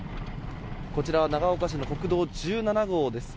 こちら長岡市の国道１７号です。